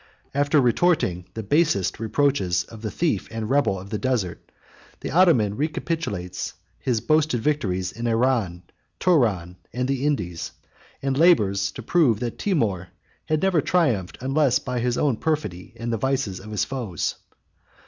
After retorting the basest reproaches on the thief and rebel of the desert, the Ottoman recapitulates his boasted victories in Iran, Touran, and the Indies; and labors to prove, that Timour had never triumphed unless by his own perfidy and the vices of his foes.